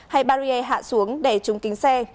hay barrier hạ xuống để trúng kính xe